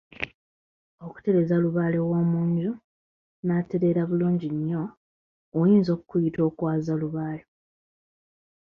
Okutereeza Lubaale w’omu nju n’atereera bulungi nnyo oyinza ku okuyita Okwaaza Lubaale.